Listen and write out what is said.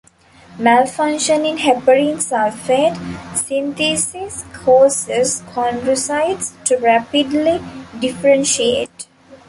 Malfunction in heparin sulfate synthesis causes chondrocytes to rapidly differentiate.